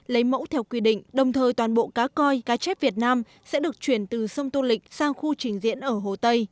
lấy mẫu theo quy định đồng thời toàn bộ cá coi cá chép việt nam sẽ được chuyển từ sông tô lịch sang khu trình diễn ở hồ tây